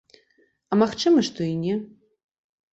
А магчыма, што і не.